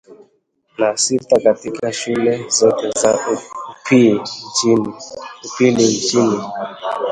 na sita katika shule zote za upili nchini